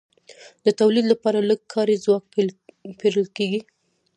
د تولید لپاره لږ کاري ځواک پېرل کېږي